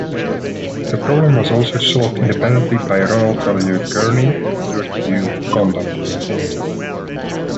The problem was also solved independently by Ronald W. Gurney and Edward U. Condon.